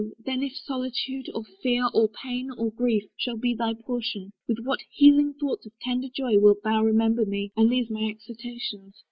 then, If solitude, or fear, or pain, or grief, Should be thy portion, with what healing thoughts Of tender joy wilt thou remember me, And these my exhortations!